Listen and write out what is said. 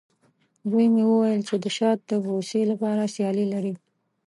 زوی مې وویلې، چې د شات د بوسې لپاره سیالي لري.